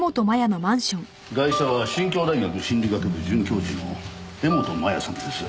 ガイシャは新京大学心理学部准教授の柄本麻耶さんです。